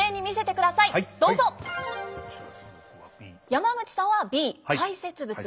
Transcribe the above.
山口さんはＢ排泄物。